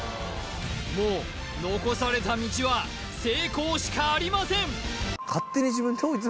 もう残された道は成功しかありません